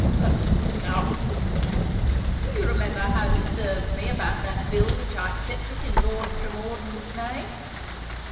"The scoundrel! Do you remember how he served me about that bill which I accepted in Lord Tremordyn's name?